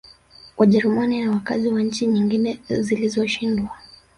Wajerumani na wakazi wa nchi nyingine zilizoshindwa